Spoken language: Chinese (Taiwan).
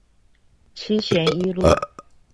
七賢一路